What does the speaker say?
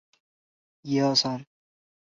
石隙掠蛛为平腹蛛科掠蛛属的动物。